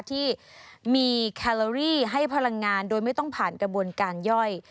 ที่มีแคลอรี่ให้พลังงานโดยไม่ต้องผ่านกระบวนการย่อย